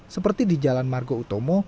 seperti di jalan margo utomo